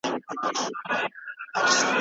بهرني پانګوال د نويو امکاناتو په اړه خبر سوي دي.